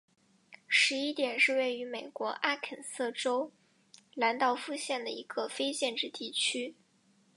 十一点是位于美国阿肯色州兰道夫县的一个非建制地区。